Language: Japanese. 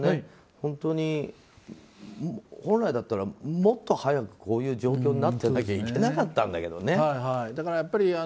本当に本来だったらもっと早くこういう状況になってなきゃいけなかったんだけどね。